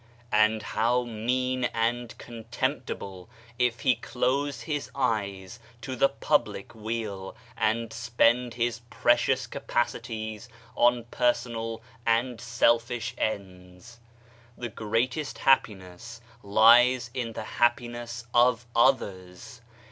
And how mean and contemptible, if he close his eyes to the public weal, and spend his precious capacities on personal and selfish ends. The greatest happiness lies in the happiness of others.